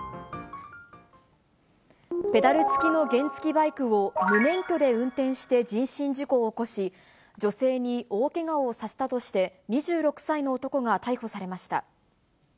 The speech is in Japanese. ペダル付きの原付きバイクを無免許で運転して人身事故を起こし、女性に大けがをさせたとして、２６歳の男が逮捕されました。